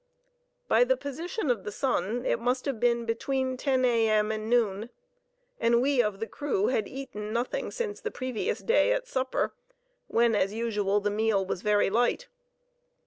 By the position of the sun it must have been between ten a.m. and noon, and we, of the crew, had eaten nothing since the previous day at supper, when, as usual, the meal was very light.